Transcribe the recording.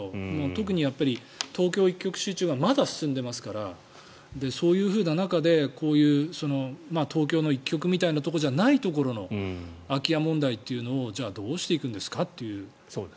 特に、東京一極集中がまだ進んでいますからそういうふうな中でこういう東京の一極みたいなところじゃないところの空き家問題というのを、じゃあどうしていくんですかという。